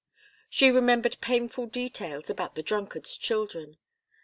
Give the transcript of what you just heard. She remembered painful details about the drunkard's children.